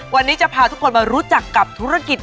วันนี้จะพาทุกคนมารู้จักกับธุรกิจ